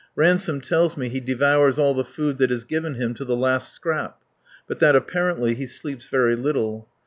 Ransome tells me he devours all the food that is given him to the last scrap, but that, apparently, he sleeps very little.